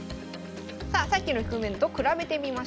さあさっきの局面と比べてみましょう。